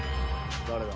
誰だ？